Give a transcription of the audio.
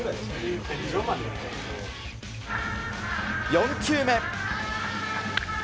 ４球目。